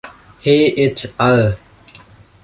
He et al.